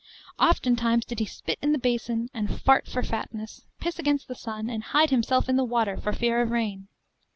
Oftentimes did he spit in the basin, and fart for fatness, piss against the sun, and hide himself in the water for fear of rain.